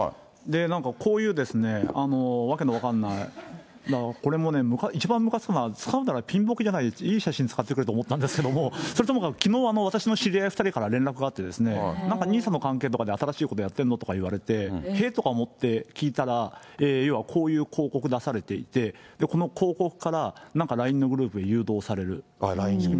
なんかこういうわけの分かんない、これもね、一番むかつくのは、使うんなら、ピンボケじゃなくていい写真使ってくれと思ったんですけど、それはともかく、きのう、私の知り合い２人から連絡があって、なんかＮＩＳＡの関係とかで新しいことやってるのとか言われて、えっ？とか思って聞いたら、要はこういう広告出されていて、この広告からなんかＬＩＮＥのグループに誘導される仕組み。